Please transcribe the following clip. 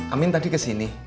amin tadi kesini